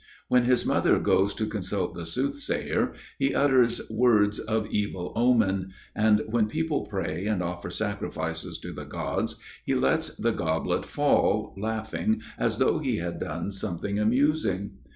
When his mother goes to consult the soothsayer, he utters words of evil omen; and when people pray and offer sacrifices to the gods he lets the goblet fall, laughing as though he had done something amusing.